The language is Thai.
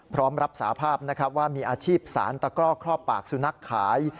รับสาภาพนะครับว่ามีอาชีพสารตะกร่อครอบปากสุนัขขาย